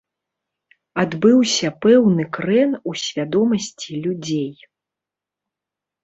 Адбыўся пэўны крэн у свядомасці людзей.